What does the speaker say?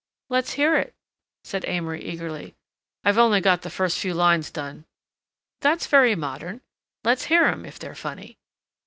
'" "Let's hear it," said Amory eagerly. "I've only got the last few lines done." "That's very modern. Let's hear 'em, if they're funny."